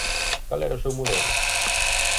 ¿Cal era o seu modelo?